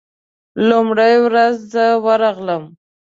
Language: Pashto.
لومړۍ ورځ زه ورغلم.